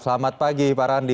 selamat pagi pak randi